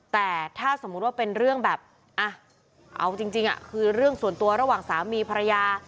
แต่ถ้าสมมุติว่าเป็นเรื่องแบบเอาจริงคือเรื่องส่วนตัวระหว่างสามีภรรยา